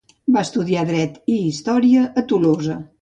Va estudiar dret i història a Tolosa.